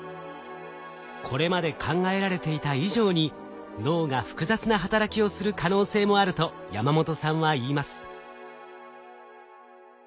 これまで考えられていた以上に脳が複雑な働きをする可能性もあると山本さんは言います。